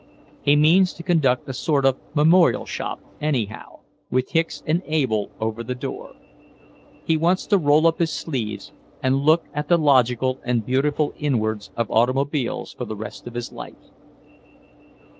He means to conduct a sort of memorial shop, anyhow, with "Hicks and Able" over the door. He wants to roll up his sleeves and look at the logical and beautiful inwards of automobiles for the rest of his life.